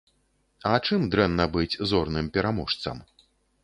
А чым дрэнна быць зорным пераможцам?